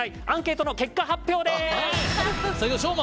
アンケートの結果発表です。